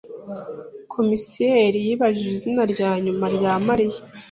Komiseri yibajije izina rya nyuma rya Mariya.